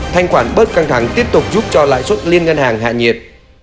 thanh khoản bớt căng thẳng tiếp tục giúp cho lãi suất liên ngân hàng hạ nhiệt